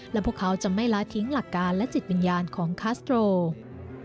และพวกเขาจะไม่ละทิ้งหลักการและจิตวิญญาณของคาสโตร